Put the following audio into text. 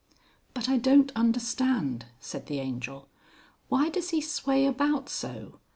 "But I don't understand," said the Angel. "Why does he sway about so?